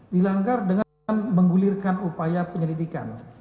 dilanggar dengan menggulirkan upaya penyelidikan